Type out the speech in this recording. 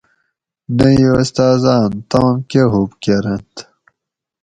نہ ای اُستاۤزاۤن تام کہ ہُوب کۤرنت